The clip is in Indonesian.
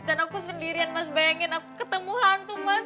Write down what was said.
dan aku sendirian mas bayangin aku ketemu hantu mas